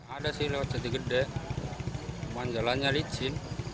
ada sih lewat cetigede manjalannya licin